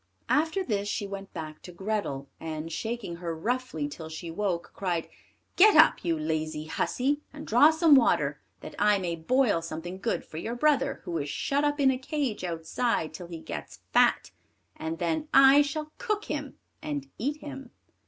After this she went back to Grethel, and, shaking her roughly till she woke, cried: "Get up, you lazy hussy, and draw some water, that I may boil something good for your brother, who is shut up in a cage outside till he gets fat; and then I shall cook him and eat him!"